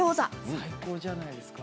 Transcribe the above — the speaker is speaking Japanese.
最高じゃないですか。